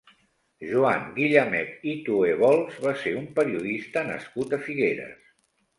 Joan Guillamet i Tuèbols va ser un periodista nascut a Figueres.